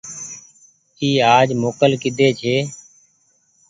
اي آج موڪل ڪيۮي ڇي۔